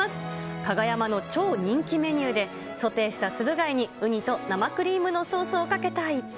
かがやまの超人気メニューで、ソテーしたつぶ貝にウニと生クリームのソースをかけた一品。